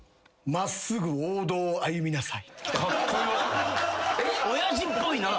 「真っすぐゆっくり王道を歩きなさい」